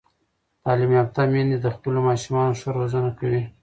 تعلیم یافته میندې د خپلو ماشومانو ښه روزنه کوي.